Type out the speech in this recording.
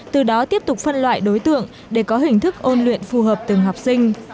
từ đó tiếp tục phân loại đối tượng để có hình thức ôn luyện phù hợp từng học sinh